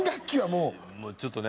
もうちょっとね。